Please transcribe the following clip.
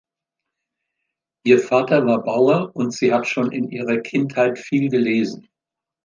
Ihr Vater war Bauer und sie hat schon in ihrer Kindheit viel gelesen.